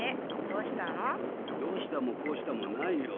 どうしたもこうしたもないよ。